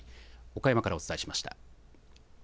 岡山からお伝えしました。